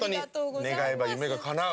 願えば夢がかなう。